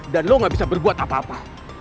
dan lo gak bisa berbuat apa apa